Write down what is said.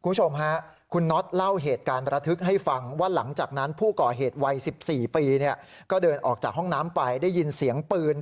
คุณผู้ชมฮะคุณน็อตเล่าเหตุการณ์ระทึกให้ฟังว่าหลังจากนั้นผู้ก่อเหตุวัย๑๔ปีก็เดินออกจากห้องน้ำไปได้ยินเสียงปืน